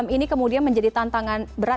ini kemudian menjadi tantangan berat